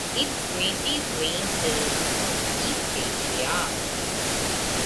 Its native range is East Asia.